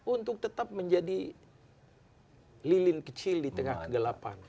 untuk tetap menjadi lilin kecil di tengah kegelapan